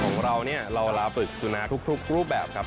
ของเราเนี่ยเราลาปรึกสุนาทุกรูปแบบครับ